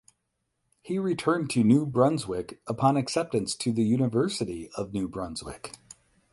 He returned to New Brunswick upon acceptance to the University of New Brunswick.